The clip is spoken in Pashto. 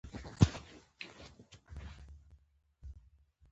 د برکي برک ځمکې اوبه لري